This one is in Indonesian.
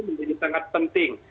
menjadi sangat penting